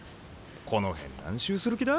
この辺何周する気だ？